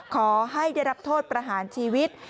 ขอให้ได้รับโทษประหารชีวิต